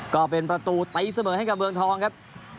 ก็เป็นประตูตีเสมอให้กับเมืองทองครับ